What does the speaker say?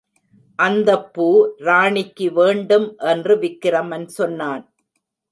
அந்தப் பூ ராணிக்கு வேண்டும் என்று விக்கிரமன் சொன்னான்.